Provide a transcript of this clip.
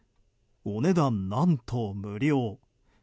お値段、何と無料。